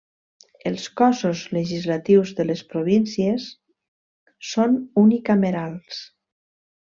Els cossos legislatius de les províncies són unicamerals.